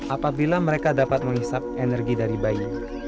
apabila mereka dapat menghisap energi dari bayi